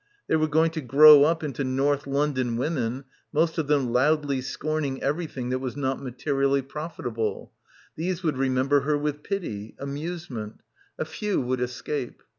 They were going to grow up into North London women, most of them loudly scorning everything that was not materially profitable; these would remember her with pity — amusement. A few would escape.